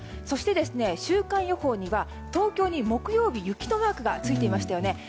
そして、週間予報には東京に木曜日、雪のマークがついていましたよね。